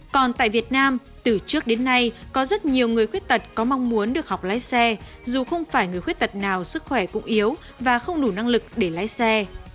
còn tại việt nam từ trước đến nay có rất nhiều người khuyết tật có mong muốn được học lái xe dù không phải người khuyết tật nào sức khỏe cũng yếu và không đủ năng lực để lái xe